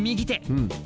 うん。